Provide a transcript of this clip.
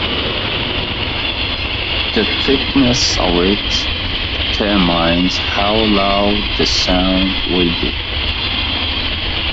The thickness of it determines how low the sound will be.